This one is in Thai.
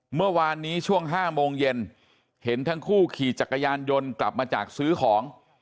เมื่อวานนี้ช่วง๕โมงเย็นเห็นทั้งคู่ขี่จักรยานยนต์กลับมาจากซื้อของ